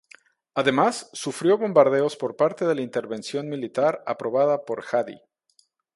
Además, sufrió bombardeos por parte de la intervención militar aprobada por Hadi.